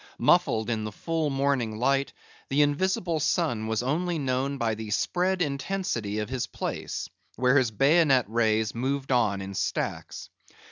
Muffled in the full morning light, the invisible sun was only known by the spread intensity of his place; where his bayonet rays moved on in stacks.